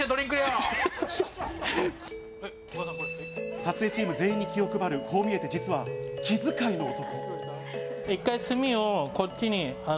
撮影チーム全員に気を配る実は気遣いの男。